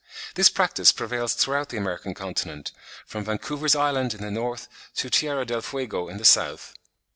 This practice prevails throughout the American continent from Vancouver's Island in the north to Tierra del Fuego in the south.